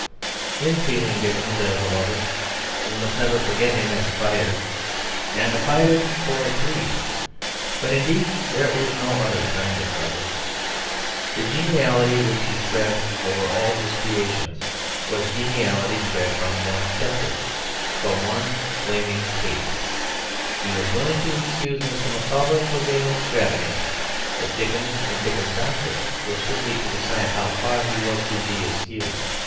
In feeling Dickens as a lover we must never forget him as a fighter, and a fighter for a creed; but indeed there is no other kind of fighter. The geniality which he spread over all his creations was geniality spread from one centre, from one flaming peak. He was willing to excuse Mr. Micawber for being extravagant; but Dickens and Dickens's doctrine were strictly to decide how far he was to be excused.